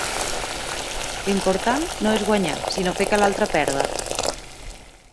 L'important no és guanyar, sinó fer que l'altre perda.